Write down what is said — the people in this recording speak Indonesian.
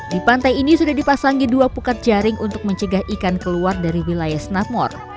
di pantai ini sudah dipasangi dua pukat jaring untuk mencegah ikan keluar dari wilayah snapmore